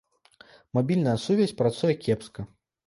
Мабільная сувязь працуе кепска.